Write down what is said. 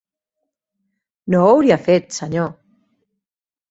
No ho hauria fet, senyor.